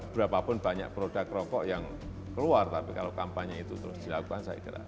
berapapun banyak produk rokok yang keluar tapi kalau kampanye itu terus dilakukan saya kira